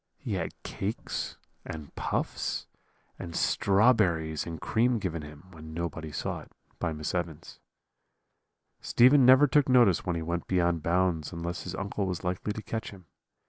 He had cakes, and puffs, and strawberries and cream given him, when nobody saw it, by Miss Evans. "Stephen never took notice when he went beyond bounds unless his uncle was likely to catch him.